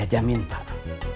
saya jamin pak